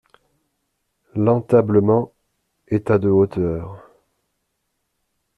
L'entablement est à de hauteur.